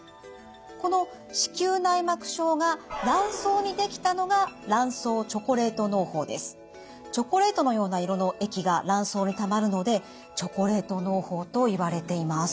この子宮内膜症が卵巣に出来たのがチョコレートのような色の液が卵巣にたまるのでチョコレートのう胞といわれています。